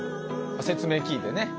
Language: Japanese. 説明聞いてね。